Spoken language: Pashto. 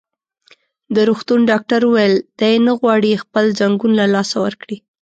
د روغتون ډاکټر وویل: دی نه غواړي خپل ځنګون له لاسه ورکړي.